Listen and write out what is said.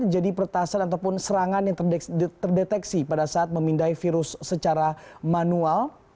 jadi peretasan ataupun serangan yang terdeteksi pada saat memindai virus secara manual